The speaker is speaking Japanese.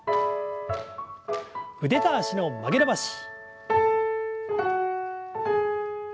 腕と脚の曲げ伸ばし。